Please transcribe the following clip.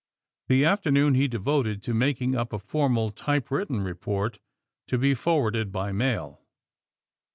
The afternoon he de voted to making up a formal typewritten report to be forwarded by mail.